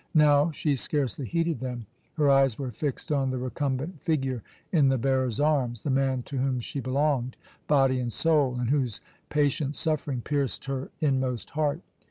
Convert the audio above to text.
Now she scarcely heeded them; her eyes were fixed on the recumbent figure in the bearers' arms, the man to whom she belonged, body and soul, and whose patient suffering pierced her inmost heart.